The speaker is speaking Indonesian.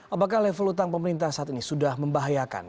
apakah level utang pemerintah saat ini sudah membahayakan